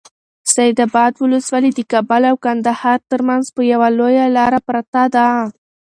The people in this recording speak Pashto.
سید اباد ولسوالي د کابل او کندهار ترمنځ پر لویه لاره پرته ده.